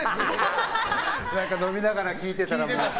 飲みながら聞いてたらもう。